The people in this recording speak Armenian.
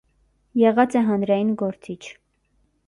Եղած է հանրային գործիչ։